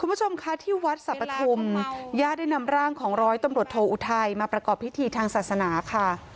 คุณผู้ชมคะที่วัดสรรพทุมญาติได้นำร่างของร้อยตำรวจโทอุทัยมาประกอบพิธีทางศาสนาค่ะ